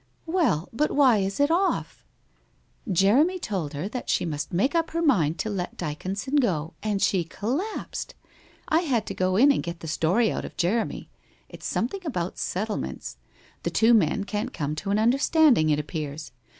'Well, but why is it off ?* 1 Jeremy told her that she must make up her mind to let Dyconson go, and she collapsed. I had to go in and get the story out of Jeremy. It's something about settle ments. The two men can't come to an understanding, it appears.